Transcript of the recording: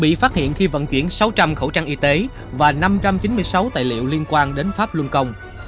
bị phát hiện khi vận chuyển sáu trăm linh khẩu trang y tế và năm trăm chín mươi sáu tài liệu liên quan đến pháp luân công